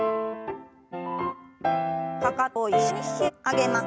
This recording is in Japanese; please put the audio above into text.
かかとを一緒に引き上げます。